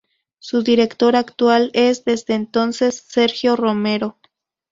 Su director actual es, desde entonces, Sergio Romero.